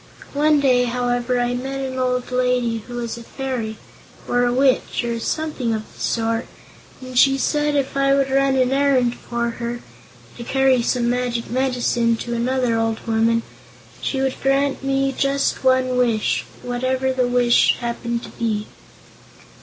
One day, however, I met an old lady who was a fairy, or a witch, or something of the sort, and she said if I would run an errand for her to carry some magic medicine to another old woman she would grant me just one Wish, whatever the Wish happened to be.